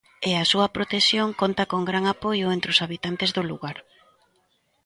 E a súa protección conta con gran apoio entre os habitantes do lugar.